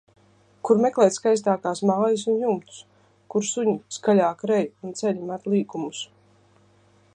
Kur meklēt skaistākās mājas un jumtus. Kur suņi skaļāk rej un ceļi met līkumus.